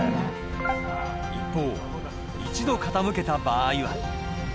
一方１度傾けた場合は。